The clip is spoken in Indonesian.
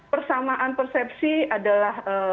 persamaan persepsi adalah